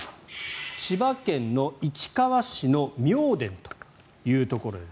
千葉県市川市の妙典というところです。